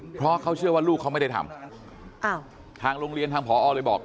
เพราะเขาเชื่อว่าลูกเขาไม่ได้ทำทางโรงเรียนทางผอเลยบอก